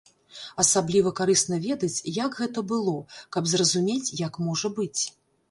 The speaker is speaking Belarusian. Асабліва карысна ведаць, як гэта было, каб зразумець, як можа быць.